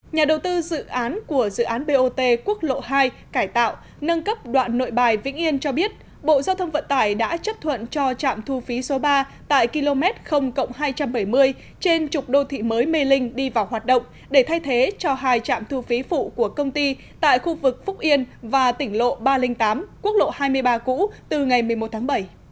nhà đầu tư dự án của dự án bot quốc lộ hai cải tạo nâng cấp đoạn nội bài vĩnh yên cho biết bộ giao thông vận tải đã chấp thuận cho trạm thu phí số ba tại km hai trăm bảy mươi trên trục đô thị mới mê linh đi vào hoạt động để thay thế cho hai trạm thu phí phụ của công ty tại khu vực phúc yên và tỉnh lộ ba trăm linh tám quốc lộ hai mươi ba cũ từ ngày một mươi một tháng bảy